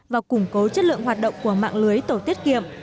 và củng cố chất lượng hoạt động của mạng lưới tổ tiết kiệm